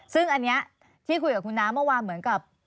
ซึ่งอันนี้ที่คุยกับคุณน้าเมื่อวานเหมือนกับ